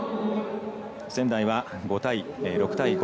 仙台は６対５。